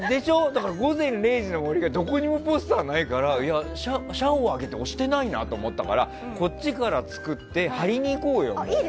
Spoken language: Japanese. だから「午前０時の森」がどこにもポスターないから社を挙げて推してないなと思ってこっちから作って貼りに行こうよ。